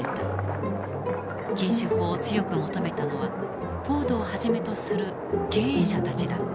禁酒法を強く求めたのはフォードをはじめとする経営者たちだった。